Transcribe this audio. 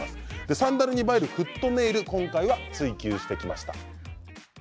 サンダルに映えるフットネイル追及してきました。